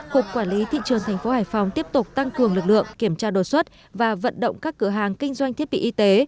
cục quản lý thị trường tp hải phòng tiếp tục tăng cường lực lượng kiểm tra đồ xuất và vận động các cửa hàng kinh doanh thiết bị y tế